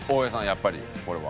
やっぱりこれは。